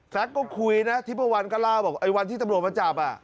แซ็กก็คุยนะทิปวันก็เล่าวันที่ตำรวจมาจับ